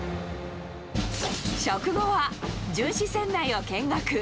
食後は、巡視船内を見学。